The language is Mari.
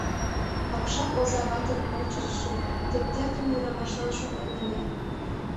Апшат оза ватым ончычшо тептердыме ӱдырамашлан шотлен ыле.